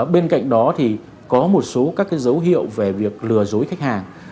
bên cạnh đó thì có một số các dấu hiệu về việc lừa dối khách hàng